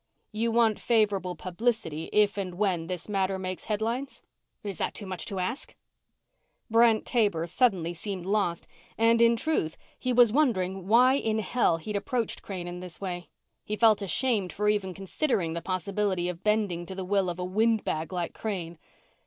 "You want favorable publicity if and when this matter makes headlines?" "Is that too much to ask?" Brent Taber suddenly seemed lost and, in truth, he was wondering why in hell he'd approached Crane in this way. He felt ashamed for even considering the possibility of bending to the will of a windbag like Crane.